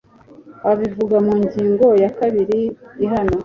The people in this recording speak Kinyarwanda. abivuga mungingo ya kabiri ihana